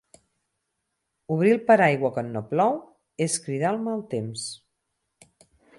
Obrir el paraigua quan no plou és cridar el mal temps.